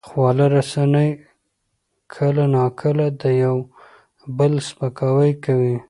خواله رسنۍ کله ناکله د یو بل سپکاوی کوي.